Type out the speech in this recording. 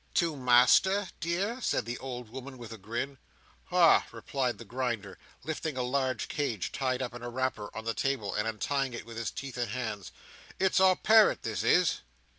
"To Master, dear?" said the old woman with a grin. "Ah!" replied the Grinder, lifting a large cage tied up in a wrapper, on the table, and untying it with his teeth and hands. "It's our parrot, this is."